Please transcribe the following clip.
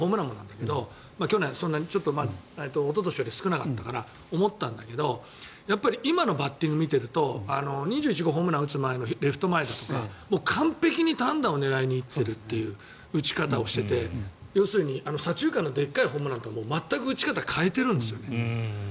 だけど去年、おととしより少なかったから思ったんだけど今のバッティングを見ていると２１号ホームランを打つ前のレフト前だとか完璧に単打を狙っていっている打ち方をしていて要するに左中間のでっかいホームランとは全く打ち方を変えてるんですね。